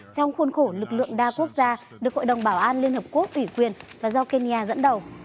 trong khuôn khổ lực lượng đa quốc gia được hội đồng bảo an liên hợp quốc tỷ quyền và do kenya dẫn đầu